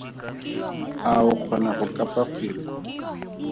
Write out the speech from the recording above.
A o kgona go kapa kgwele?